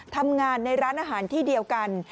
ทำงานในร้านอาหารที่เดียวกัน